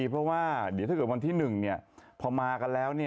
เพราะว่าเดี๋ยวถ้าเกิดวันที่๑พอมากันแล้ว